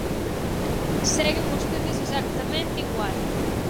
Seguen vostedes exactamente igual.